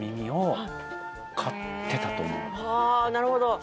なるほど。